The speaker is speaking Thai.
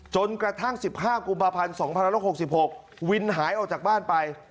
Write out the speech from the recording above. จนกระทั่ง๑๕กุมภาพันธ์๒๑๖๖วินหายออกจากบ้านไป